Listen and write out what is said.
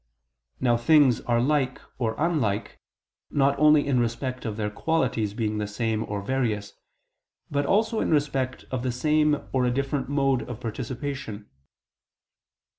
Now things are like or unlike not only in respect of their qualities being the same or various, but also in respect of the same or a different mode of participation.